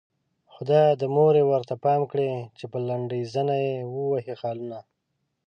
خدايه د مور يې ورته پام کړې چې په لنډۍ زنه يې ووهي خالونه